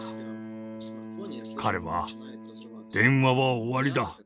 彼は「電話は終わりだ。